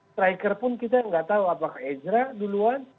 striker pun kita nggak tahu apakah ezra duluan